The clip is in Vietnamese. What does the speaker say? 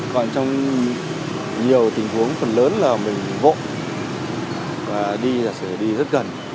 còn trong nhiều tình huống phần lớn là mình vội và đi là sẽ đi rất gần